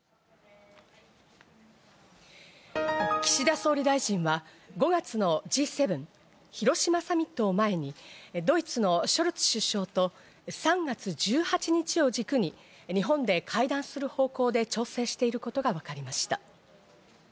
岸田総理大臣は５月のＧ７広島サミットを前にドイツのショルツ首相と３月１８日を軸に日本で会談する方向で調整していることがわかりました。